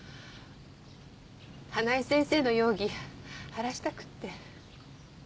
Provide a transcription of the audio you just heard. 花井先生の容疑晴らしたくって。